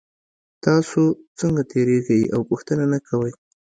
تاسو څنګه تیریږئ او پوښتنه نه کوئ